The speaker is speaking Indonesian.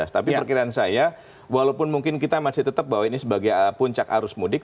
tapi perkiraan saya walaupun mungkin kita masih tetap bahwa ini sebagai puncak arus mudik